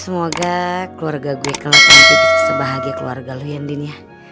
semoga keluarga gue kelak nanti bisa sebahagia keluarga lu ya ndinyah